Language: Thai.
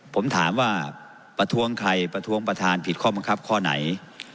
ผมถามว่าประท้วงใครประท้วงประธานผิดข้อบังคับข้อไหน